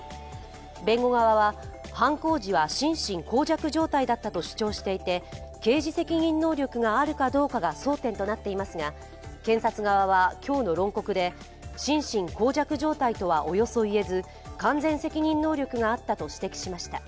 弁護側は、犯行時は心神耗弱状態だったと主張していて刑事責任能力があるかどうかが争点となっていますが検察側は、今日の論告で心神耗弱状態とはおよそ言えず完全責任能力があったと指摘しました。